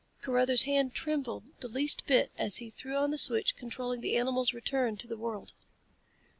Carruthers' hand trembled the least bit as he threw on the switch controlling the animal's return to the world.